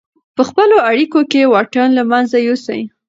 په خپلو اړیکو کې واټن له منځه یوسئ.